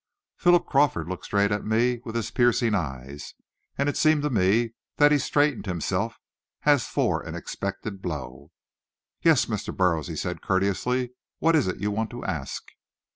Philip Crawford looked straight at me with his piercing eyes, and it seemed to me that he straightened himself, as for an expected blow. "Yes, Mr. Burroughs," he said courteously. "What is it you want to ask?"